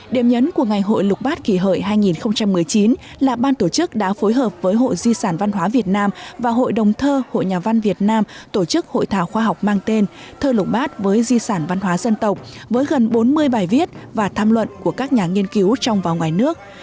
điểm nhấn của ngày hội lục bát kỳ hợi hai nghìn một mươi chín là ban tổ chức đã phối hợp với hội di sản văn hóa việt nam và hội đồng thơ hội nhà văn việt nam tổ chức hội thảo khoa học mang tên thơ lục bát với di sản văn hóa dân tộc với gần bốn mươi bài viết và tham luận của các nhà nghiên cứu trong và ngoài nước